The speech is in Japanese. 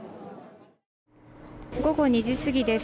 午後２時過ぎです。